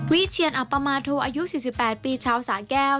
วิเชียนอัปมาโทอายุ๔๘ปีชาวสาแก้ว